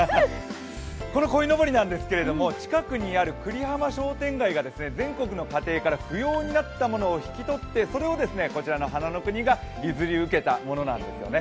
このこいのぼりなんですけど、近くにある久里浜商店街が全国の家庭から不要になったものを引き取って、それをこちらの花の国が受け継いだものなんですね。